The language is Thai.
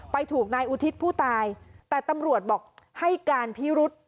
ถูกนายอุทิศผู้ตายแต่ตำรวจบอกให้การพิรุษ